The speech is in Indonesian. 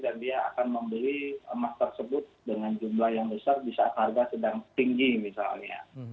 dia akan membeli emas tersebut dengan jumlah yang besar di saat harga sedang tinggi misalnya